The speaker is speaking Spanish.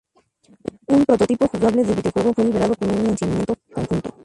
Un prototipo jugable del videojuego fue liberado con un lanzamiento conjunto.